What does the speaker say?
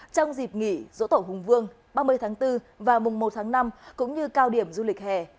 trong dịp nghỉ dỗ tổ hùng vương ba mươi tháng bốn và mùng một tháng năm cũng như cao điểm du lịch hè